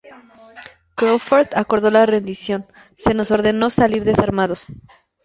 Craufurd acordó la rendición: ""se nos ordenó salir desarmados.